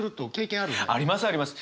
ありますあります！